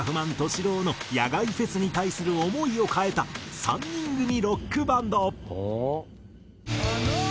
−ＬＯＷの野外フェスに対する思いを変えた３人組ロックバンド。